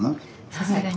さすがに。